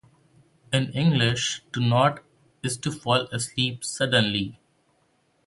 In English, "to nod" is to fall asleep suddenly.